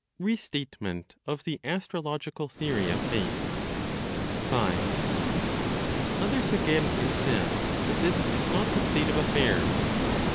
RESTATEMENT OF THE ASTROLOGICAL THEORY OF FATE. 5. Others, again, insist that this is not the state of affairs.